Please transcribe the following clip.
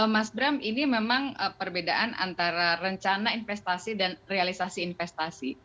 mas bram ini memang perbedaan antara rencana investasi dan realisasi investasi